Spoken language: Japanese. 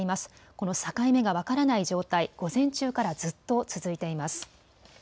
この境目が分からない状態、午前中からずっと続いています。